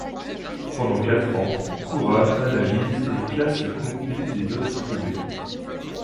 Pendant quatre ans, Curran analyse et classe le contenu des notes trouvées.